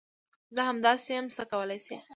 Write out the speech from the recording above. زه همداسي یم ، څه کولی شې ؟